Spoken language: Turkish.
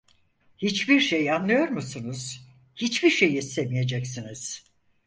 Hiçbir şey anlıyor musunuz, hiçbir şey istemeyeceksiniz…